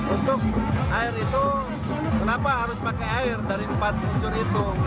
untuk air itu kenapa harus pakai air dari empat bucur itu